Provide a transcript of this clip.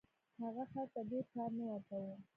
هغه خر ته ډیر کار نه ورکاوه.